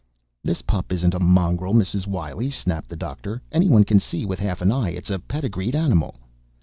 "This pup isn't a mongrel, Mrs. Wiley," snapped the doctor. "Anyone can see with half an eye it's a pedigreed animal."